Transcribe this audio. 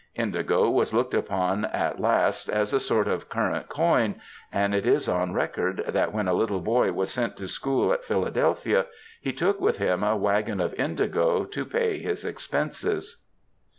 Indigo was looked upon at last as a sort of current coin, and it is on record that when a little boy was sent to school at Philadelphia he took with him a waggon of indigo to pay his expenses.